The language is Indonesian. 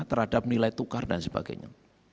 terhadap nilai tukar dan sebagainya